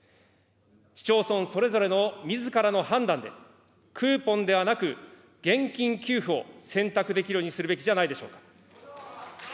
市町村それぞれのみずからの判断で、クーポンではなく現金給付を選択できるようにするべきではないでしょうか。